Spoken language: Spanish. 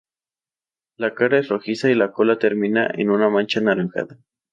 La cara es rojiza y la cola termina en una mancha anaranjada.